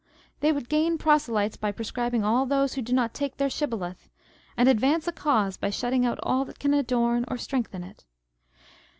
They would gain proselytes by proscribing all those who do not take their Shiboleth, and advance a cause by shutting out all that can adorn or strengthen it.